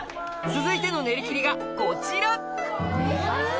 続いての練り切りがこちらえ！